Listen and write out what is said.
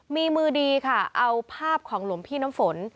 มีมือดีค่ะเอาภาพของหลวงพี่น้ำฝน